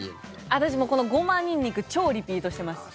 私、このごまにんにく超リピートしてます。